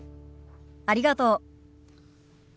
ありがとう。